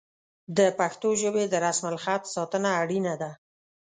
د پښتو ژبې د رسم الخط ساتنه اړینه ده.